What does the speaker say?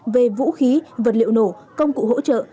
về vũ khí vật liệu nổ công cụ hỗ trợ